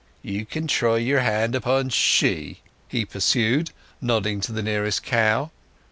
You can try your hand upon she," he pursued, nodding to the nearest cow.